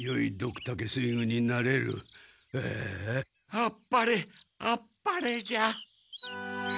あっぱれあっぱれじゃ。